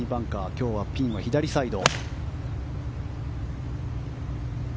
今日はピンは左サイド。